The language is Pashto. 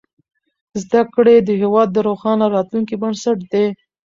زدهکړې د هېواد د روښانه راتلونکي بنسټ دی.